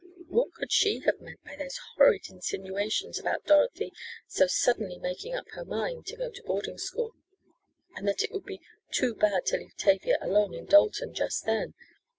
What could she have meant by those horrid insinuations about Dorothy so "suddenly making up her mind" to go to boarding school; and that it would be "too bad to leave Tavia alone in Dalton just then!"